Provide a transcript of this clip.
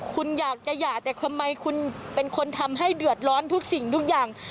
คุณอยากจะหย่าแต่ทำไมคุณเป็นคนทำให้เดือดร้อนทุกสิ่งทุกอย่าง